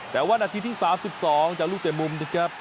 แต่ว่าหน้าทีที่สามสิบสองจากลูกเตะมุมนะครับ